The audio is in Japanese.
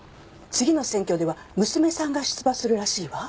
次の選挙では娘さんが出馬するらしいわ。